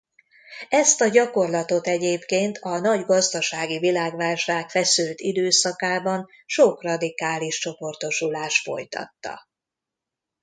Ezt a gyakorlatot egyébként a nagy gazdasági világválság feszült időszakában sok radikális csoportosulás folytatta.